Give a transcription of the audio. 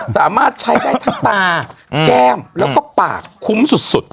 สามารถใช้ได้ทั้งตาแก้มแล้วก็ปากคุ้มสุด